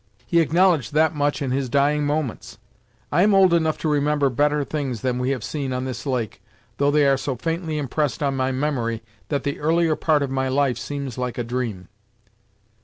He acknowledged that much in his dying moments. I am old enough to remember better things than we have seen on this lake, though they are so faintly impressed on my memory that the earlier part of my life seems like a dream."